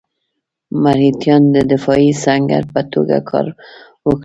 مرهټیان د دفاعي سنګر په توګه کار ورکړي.